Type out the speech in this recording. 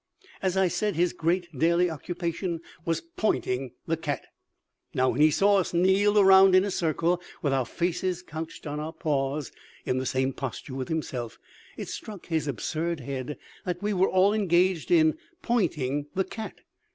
As I said, his great daily occupation was pointing the cat. Now, when he saw us kneel all down in a circle, with our faces couched on our paws, in the same posture with himself, it struck his absurd head that we were all engaged in pointing the cat.